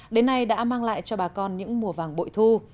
đến nay đã mang lại cho bà con những mùa vàng bội thu